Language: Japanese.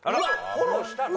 フォローしたの？